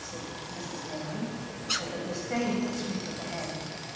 said Mrs. Linley, with a disdainful sweep of the hand.